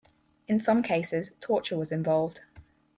In some cases torture was involved.